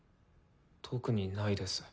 特にないです。